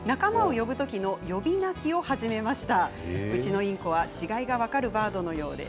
仲間を呼ぶ時の呼び鳴きを始めました。